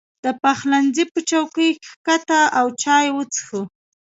• د پخلنځي په چوکۍ کښېنه او چای وڅښه.